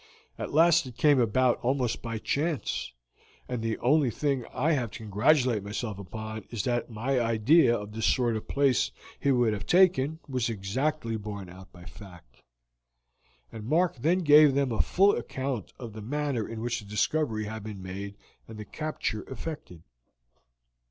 At last it came about almost by chance, and the only thing I have to congratulate myself upon is that my idea of the sort of place he would have taken was exactly borne out by fact." And Mark then gave them a full account of the manner in which the discovery had been made and the capture effected.